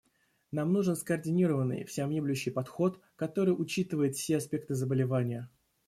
Нам нужен скоординированный, всеобъемлющий подход, который учитывает все аспекты заболевания.